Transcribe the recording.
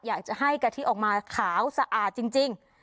อยากจะให้กะทิออกมาขาวสะอาดจริง